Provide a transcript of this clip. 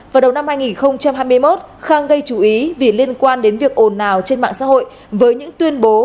vào đầu năm hai nghìn hai mươi một khang gây chú ý vì liên quan đến việc ồn ào trên mạng xã hội với những tuyên bố